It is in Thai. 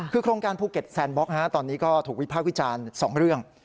คือโครงการภูเก็ตแซนบล็อกตอนนี้ก็ถูกวิพากษ์วิจารณ์๒เรื่อง